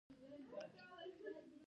د قاضي حسین احمد مدرسې یو څه نرمې وې.